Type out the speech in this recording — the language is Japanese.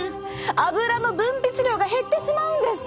アブラの分泌量が減ってしまうんです。